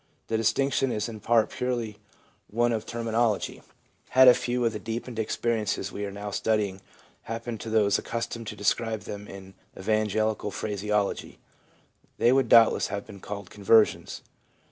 The distinction is in part purely one of terminology. Had a few of the deepened experiences we are now studying happened to those accustomed to describe them in evangelical phraseology, they would doubtless have been called conversions.